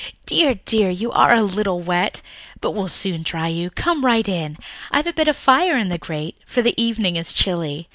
Dear, dear, you are a little wet. But we'll soon dry you. Come right in I've a bit of a fire in the grate, for the evening is chilly.